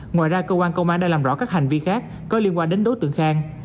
ngoài ra cơ quan công an đã làm rõ các hành vi khác có liên quan đến đối tượng khang